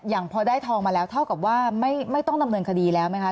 พอได้ทองมาแล้วเท่ากับว่าไม่ต้องดำเนินคดีแล้วไหมคะ